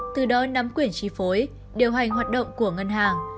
từ đó nắm quyển trí phối điều hành hoạt động của ngân hàng